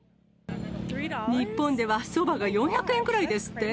日本では、そばが４００円くらいですって？